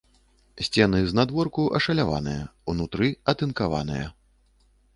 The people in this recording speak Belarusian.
Сцены знадворку ашаляваныя, унутры атынкаваныя.